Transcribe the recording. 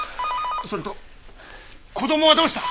それと子供はどうした？